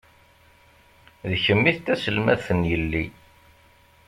D kemm i d taselmadt n yelli..